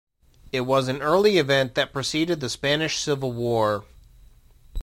It was an early event that preceded the Spanish Civil War.